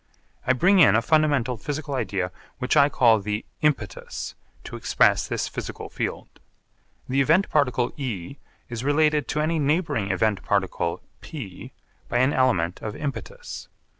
I bring in a fundamental physical idea which I call the 'impetus' to express this physical field. The event particle E is related to any neighbouring event particle P by an element of impetus.